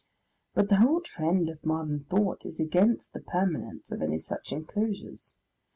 But the whole trend of modern thought is against the permanence of any such enclosures.